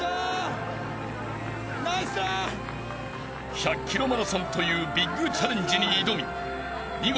［１００ｋｍマラソンというビッグチャレンジに挑み見事］